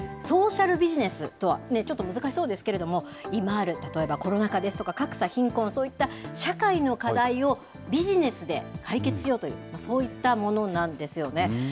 ソーシャルビジネスとは、ちょっと難しそうですけれども、今ある、例えばコロナ禍ですとか、格差、貧困、そういった社会の課題をビジネスで解決しようという、そういったものなんですよね。